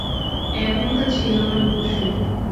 এমন তো ছিল না কুসুম!